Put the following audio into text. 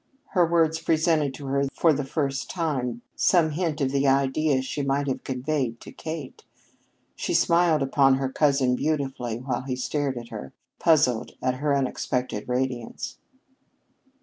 Her words presented to her for the first time some hint of the idea she might have conveyed to Kate. She smiled upon her cousin beautifully, while he stared at her, puzzled at her unexpected radiance.